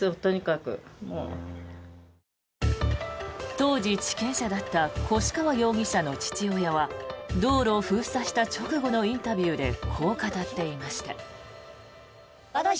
当時、地権者だった越川容疑者の父親は道路を封鎖した直後のインタビューでこう語っていました。